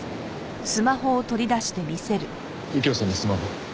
右京さんのスマホ。